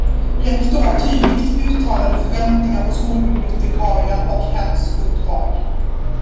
Rektor har tydligt uttalade förväntningar på skolbibliotekarien och hens uppdrag.